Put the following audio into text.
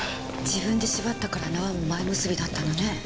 自分で縛ったから縄も前結びだったのね。